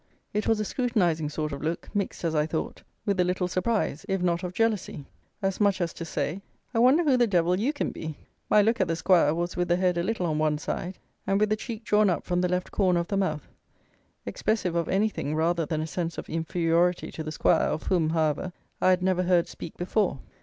It was a scrutinizing sort of look, mixed, as I thought, with a little surprise, if not of jealousy, as much as to say, "I wonder who the devil you can be?" My look at the squire was with the head a little on one side, and with the cheek drawn up from the left corner of the mouth, expressive of anything rather than a sense of inferiority to the squire, of whom, however, I had never heard speak before.